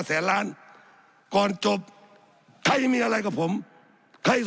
สับขาหลอกกันไปสับขาหลอกกันไป